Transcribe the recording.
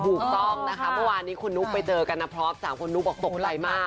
ถูกต้องนะคะเมื่อวานนี้คุณนุ๊กไปเจอกันนะพร้อม๓คุณนุ๊กบอกตกใจมาก